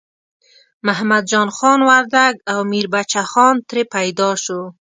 محمد جان خان وردګ او میربچه خان ترې پیدا شو.